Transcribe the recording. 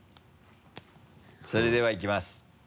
それではいきます！